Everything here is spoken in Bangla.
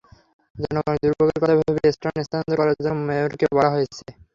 জনগণের দুর্ভোগের কথা ভেবে স্ট্যান্ড স্থানান্তর করার জন্য মেয়রকে বলা হয়েছে।